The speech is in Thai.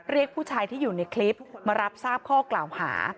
เรียกผู้ชายที่อยู่ในคลิปมารับทราบข้อกล่าวหา